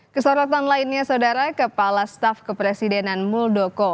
kesorotan lainnya saudara kepala staf kepresidenan muldoko